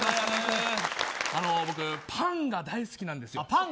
僕パンが大好きなんです。